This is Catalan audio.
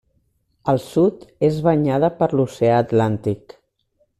Al sud és banyada per l'Oceà Atlàntic.